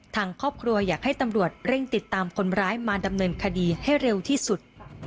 ทางครอบครัวอยากให้ตำรวจเร่งติดตามคนร้ายมาดำเนินคดีให้เร็วที่สุด